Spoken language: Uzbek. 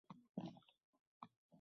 Shuni ham ta’kidlab o‘tish lozim.